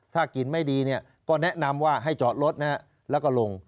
ถ้ากลิ่นไม่ดีเนี่ยก็แนะนำว่าให้เจาะรถนะครับแล้วก็ลง